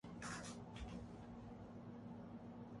جان Cena cricket کے میدان میں اتر گئے